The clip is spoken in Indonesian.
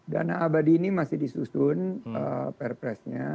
dana abadi ini masih disusun perpresnya